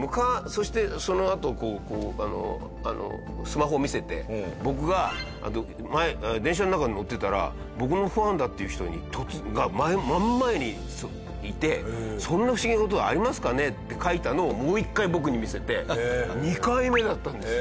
そしてそのあとスマホを見せて「僕が電車の中乗ってたら僕のファンだっていう人が真ん前にいてそんな不思議な事がありますかね？」って書いたのをもう一回僕に見せて２回目だったんですよ。